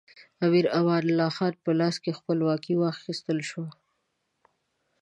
امیر امان الله خان په لاس خپلواکي واخیستل شوه.